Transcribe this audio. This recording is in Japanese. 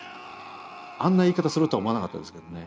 あんな言い方するとは思わなかったですけどね。